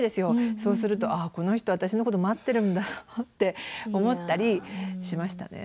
そうすると「あこの人私のこと待ってるんだな」って思ったりしましたね。